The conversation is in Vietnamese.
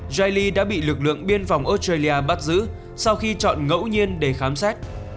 jaili đã bị lực lượng biên phòng australia bắt giữ sau khi chọn ngẫu nhiên để khám xét